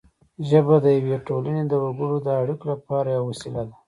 ژبه د یوې ټولنې د وګړو د اړیکو لپاره یوه وسیله ده